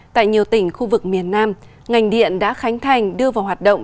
tại nhiều tỉnh khu vực miền nam ngành điện đã khánh thành đưa vào hoạt động